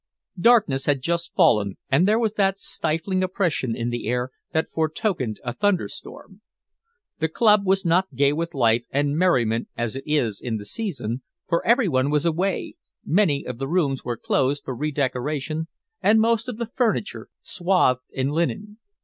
Darkness had just fallen, and there was that stifling oppression in the air that fore tokened a thunderstorm. The club was not gay with life and merriment as it is in the season, for everyone was away, many of the rooms were closed for re decoration, and most of the furniture swathed in linen.